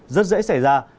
rất dễ xảy ra